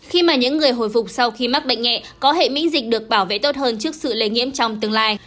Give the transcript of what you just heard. khi mà những người hồi phục sau khi mắc bệnh nhẹ có hệ mĩnh dịch được bảo vệ tốt hơn trước sự lề nghiêm trong tương lai